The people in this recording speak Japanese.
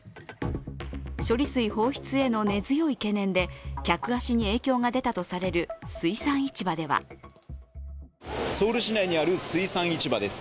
処理水放出への根強い懸念で客足に影響が出たとされる水産市場ではソウル市内にある水産市場です。